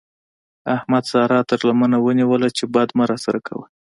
احمد سارا تر لمنه ونيوله چې بد مه راسره کوه.